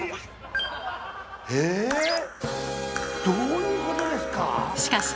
どういうことですか？